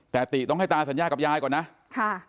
แต่ติต้องให้ตาสัญญากับยายก่อนนะค่ะ